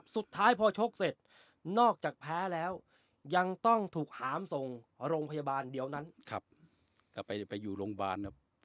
สุดท้ายพอชกเสร็จนอกจากแพ้แล้วยังต้องถูกหามส่งโรงพยาบาลเดียวนั้นครับกลับไปไปอยู่โรงพยาบาลครับ